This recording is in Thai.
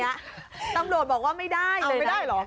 ตำรวจบอกว่าไม่ได้เลย